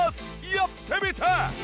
やってみて！